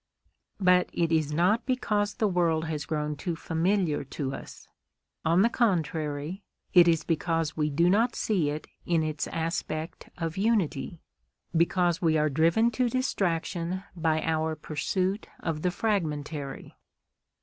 But it is not because the world has grown too familiar to us; on the contrary, it is because we do not see it in its aspect of unity, because we are driven to distraction by our pursuit of the fragmentary.